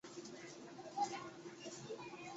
害怕打破这假扮的幸福